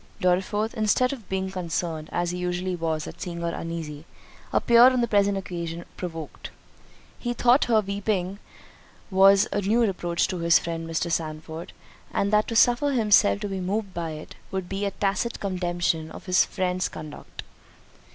Dorriforth, instead of being concerned, as he usually was at seeing her uneasy, appeared on the present occasion provoked. He thought her weeping was a new reproach to his friend Mr. Sandford, and that to suffer himself to be moved by it, would be a tacit condemnation of his friend's conduct.